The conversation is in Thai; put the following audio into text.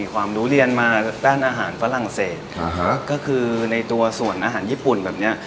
การอาหารฝรั่งเศสก็คือในตัวส่วนอาหารญี่ปุ่นแบบนี้